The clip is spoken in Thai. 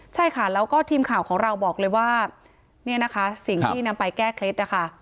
ใช่ค่ะแล้วก็ทีมข่าวของเราบอกเลยว่าเนี่ยนะคะสิ่งที่นำไปแก้เคล็ดนะคะ